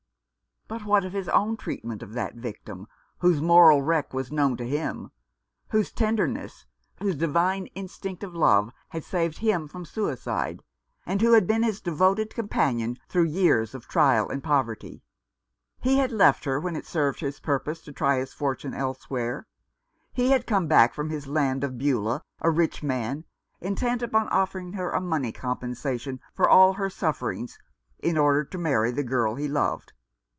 But what of his own treat ment of that victim, whose moral wreck was known to him, whose tenderness, whose divine instinct of love had saved him from suicide, and who had been his devoted companion through years of trial and poverty ? He had left her when it served his purpose to try his fortune elsewhere ; he had come back from his land of Beulah a rich man, intent upon offering her a monev compensation for all her sufferings, in order to marry the girl he loved.